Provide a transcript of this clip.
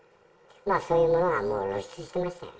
そういうものがもう露出していましたよね。